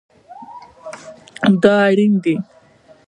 دا اړین دی